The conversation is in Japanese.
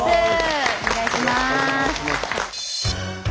お願いします。